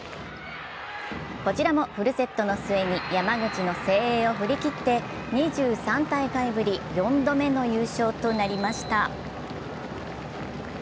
こちらもフルセットの末に山口の誠英を振り切って２３大会ぶり４度目の優勝となりました。